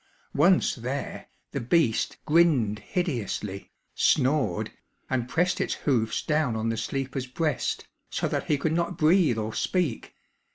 Once there, the beast grinned hideously, snored, and pressed its hoofs down on the sleeper's breast, so that he could not breathe or speak.